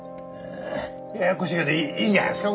ややこしいけどいいんじゃないですか？